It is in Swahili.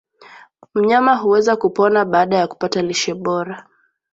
Mnyama huweza kupona baada ya kupata lishe bora